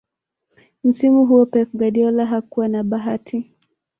msimu huo pep guardiola hakuwa na bahati